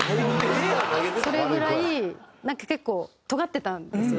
それぐらいなんか結構とがってたんですよ